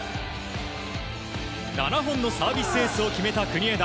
７本のサービスエースを決めた国枝。